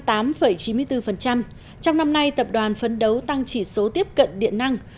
trong năm nay tập đoàn phấn đấu tăng chỉ số tiếp cận điện năng